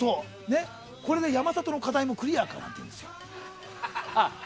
これで山里の課題もクリアか？なんていうんですよ。